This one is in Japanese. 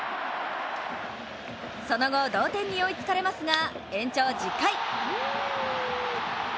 その後、同点に追いつかれますが延長１０回。